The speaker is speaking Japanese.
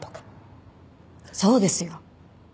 そうですよ。